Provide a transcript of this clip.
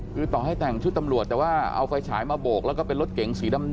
คือต่อให้แต่งชุดตำรวจแต่ว่าเอาไฟฉายมาโบกแล้วก็เป็นรถเก๋งสีดำ